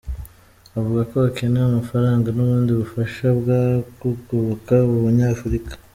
Avuga ko hakenewe amafaranga n’ubundi bufasha bwo kugoboka abo Banyafurika.